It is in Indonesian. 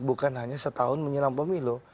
bukan hanya setahun menjelang pemilu